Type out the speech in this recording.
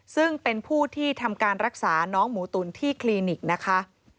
ซึ่งเป็นผู้ที่ทำการรักษาน้องหมูตุ๋นที่คลินิกนะคะ